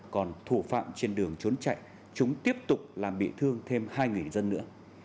còn thủ phạm trên đường trốn chạy chúng tiếp tục làm bị thương thêm hai người dân nữa